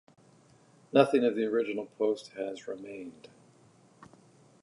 Nothing of the original post has remained.